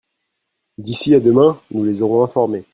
D'ici à demain nous les aurons informées.